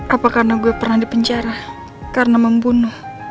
apa karena gue pernah di penjara karena membunuh